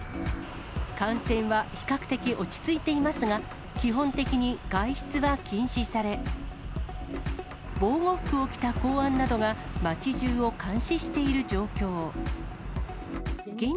感染は比較的、落ち着いていますが、基本的に外出は禁止され、防護服を着た公安などが町じゅうを監視している状況。